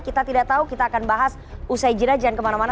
kita tidak tahu kita akan bahas usai jeda jangan kemana mana